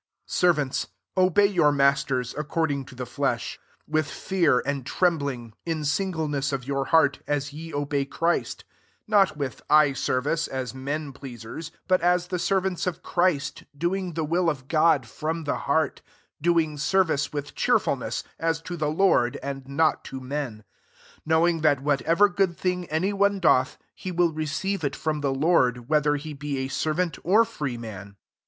5 Servants, obey your mas ters according to the flesh, with cborvli. EHESIANS VI. 519 fear and trembling, in singleness rf your heart, as ye obey Christ :% not with eye service, as men ^leasers; but as the servants rfChrist, doing the will of God ^m the heart ; 7 doing ser rice with cheerfulness, as to the ^rd, and not to men : 8 know ^ that whatever good thing my ,one doth, he will receive t from the Loi:d, whether he t a servant or free man.